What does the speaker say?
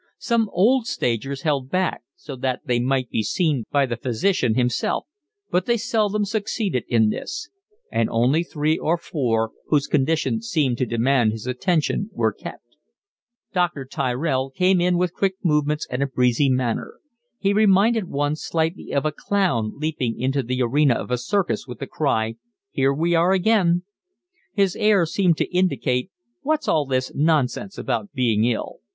Some old stagers held back so that they might be seen by the physician himself, but they seldom succeeded in this; and only three or four, whose condition seemed to demand his attention, were kept. Dr. Tyrell came in with quick movements and a breezy manner. He reminded one slightly of a clown leaping into the arena of a circus with the cry: Here we are again. His air seemed to indicate: What's all this nonsense about being ill?